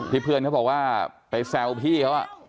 เพื่อนเขาบอกว่าไปแซวพี่เขา